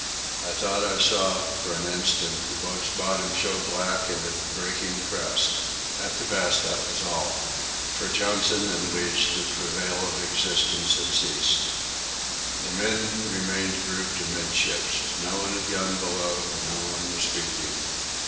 I thought I saw, for an instant, the boat's bottom show black in a breaking crest. At the best, that was all. For Johnson and Leach the travail of existence had ceased. The men remained grouped amidships. No one had gone below, and no one was speaking.